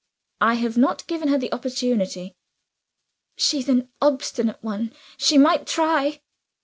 "I have not given her the opportunity." "She's an obstinate one she might try."